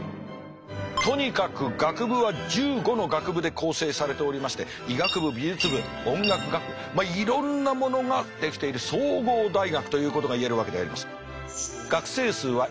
とにかく学部は１５の学部で構成されておりまして医学部美術部音楽学部いろんなものができている総合大学ということがいえるわけであります。